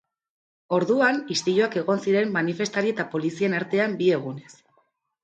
Orduan, istiluak egon ziren manifestari eta polizien artean bi egunez.